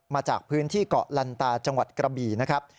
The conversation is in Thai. มาจากพื้นที่เกาะลันตาจังหวัดกระบี่นะครับ